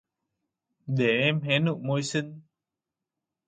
Để em hé nụ môi xinh